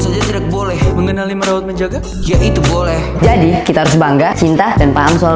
saja tidak boleh mengenali merawat menjaga ya itu boleh jadi kita harus bangga cinta dan paham soal